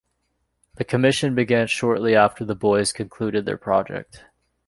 The commission began shortly after the boys concluded their project.